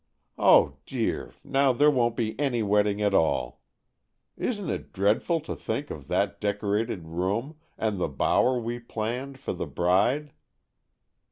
Oh, dear! now there won't be any wedding at all! Isn't it dreadful to think of that decorated room, and the bower we planned for the bride!"